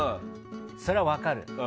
それは分かると。